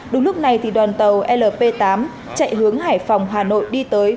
đúng lúc này thì đoàn tàu lp tám chạy hướng hải phòng hà nội đi tới